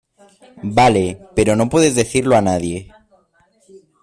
vale, pero no puedes decirlo a nadie.